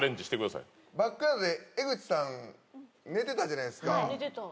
バックヤードで江口さん寝てたじゃないですか。